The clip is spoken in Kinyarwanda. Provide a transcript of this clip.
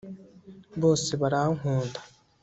bose barankunda